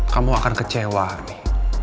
kamu akan kecewa ami